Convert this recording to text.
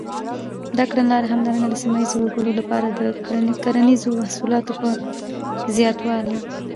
دا کړنلارې همدارنګه د سیمه ییزو وګړو لپاره د کرنیزو محصولاتو په زباتوالي.